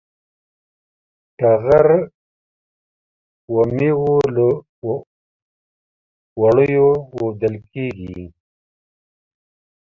ټغر و مېږو له وړیو وُودل کېږي.